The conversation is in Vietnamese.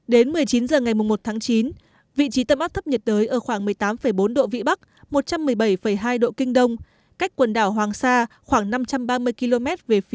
đến một mươi chín h ngày một tháng chín vị trí tâm áp thấp nhiệt đới ở khoảng một mươi tám năm km